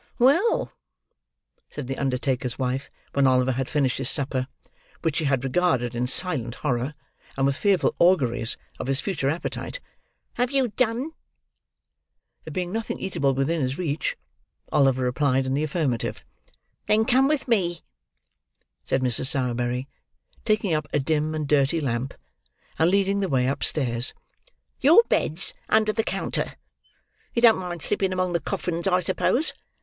"Well," said the undertaker's wife, when Oliver had finished his supper: which she had regarded in silent horror, and with fearful auguries of his future appetite: "have you done?" There being nothing eatable within his reach, Oliver replied in the affirmative. "Then come with me," said Mrs. Sowerberry: taking up a dim and dirty lamp, and leading the way upstairs; "your bed's under the counter. You don't mind sleeping among the coffins, I suppose?